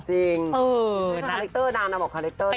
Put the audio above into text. จริงนี่คือคาแรกเตอร์ดาวนะบอกคาแรกเตอร์ดี